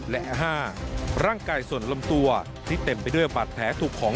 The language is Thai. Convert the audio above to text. และ๕ร่างกายส่วนลำตัวที่เต็มไปด้วยบาดแผลถูกของ